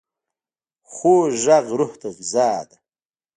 خوږ غږ روح ته غذا ده.